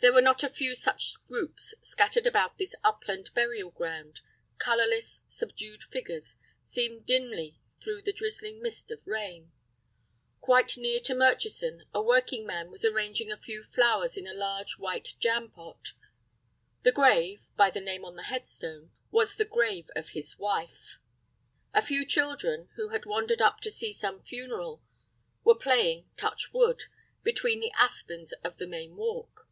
There were not a few such groups scattered about this upland burial ground, colorless, subdued figures seen dimly through the drizzling mist of rain. Quite near to Murchison a working man was arranging a few flowers in a large white jam pot; the grave, by the name on the headstone, was the grave of his wife. A few children, who had wandered up to see some funeral, were playing "touch wood" between the aspens of the main walk.